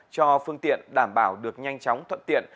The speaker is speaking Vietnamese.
cho phương tiện đảm bảo được nhanh chóng thuận tiện